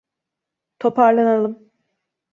Toparlanalım.